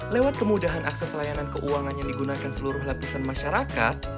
lewat kemudahan akses layanan keuangan yang digunakan seluruh lapisan masyarakat